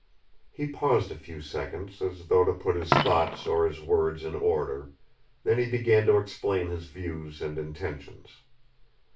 He paused a few seconds, as though to put his thoughts or his words in order; then he began to explain his views and intentions.